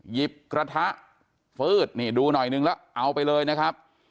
หยิบกระทะฟืดนี่ดูหน่อยนึงแล้วเอาไปเลยนะครับ